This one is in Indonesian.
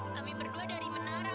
kami berdua dari menara